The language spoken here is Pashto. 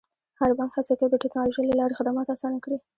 هر بانک هڅه کوي د ټکنالوژۍ له لارې خدمات اسانه کړي.